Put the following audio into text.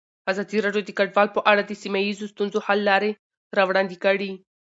ازادي راډیو د کډوال په اړه د سیمه ییزو ستونزو حل لارې راوړاندې کړې.